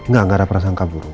gak ada persangka buruk